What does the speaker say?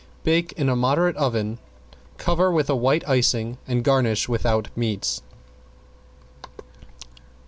Bake in a moderate oven, cover with a white icing and garnish without meats.